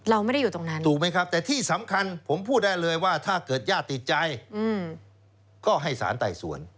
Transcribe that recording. เราไม่ได้อยู่ตรงนั้นถูกไหมครับแต่ที่สำคัญผมพูดได้เลยว่าถ้าเกิดญาติติดใจก็ให้สารไต่สวน